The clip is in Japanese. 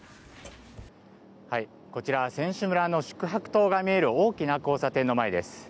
こちら選手村の宿泊棟が見える大きな交差点の前です。